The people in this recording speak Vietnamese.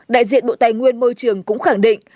đại diện bộ tài nguyên môi trường cũng khẳng định